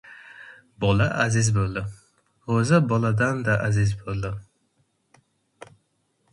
Bola aziz bo‘ldi, g‘o‘za boladan-da aziz bo‘ldi!